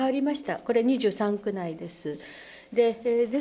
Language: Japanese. これ２３区内です。